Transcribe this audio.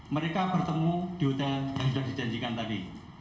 mereka bertemu di hotel yang sudah dijanjikan tadi